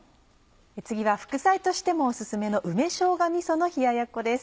次は副菜としてもお薦めの梅しょうがみその冷ややっこです。